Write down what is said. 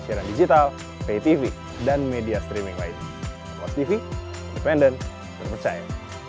siaran digital ptv dan media streaming lain tv pendek percaya